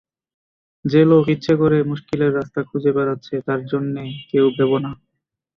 যে লোক ইচ্ছে করে মুশকিলের রাস্তা খুঁজে বেড়াচ্ছে তার জন্যে কেউ ভেবো না।